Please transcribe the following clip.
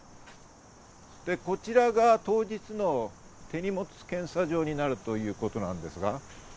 こちらが当日の手荷物検査場になるということなんですが。